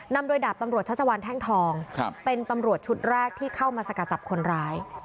นำโดยดาบตำรวจชัชวัลแท่งทองเป็นตำรวจชุดแรกที่เข้ามาสกัดจับคนร้าย